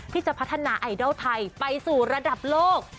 ที่จะพัฒนาไอดอลไทยไปสู่ระดับโลก